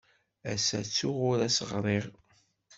Ass-a ttuɣ ur as-ɣriɣ.